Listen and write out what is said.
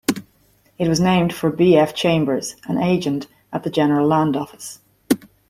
It was named for B. F. Chambers, an agent at the General Land Office.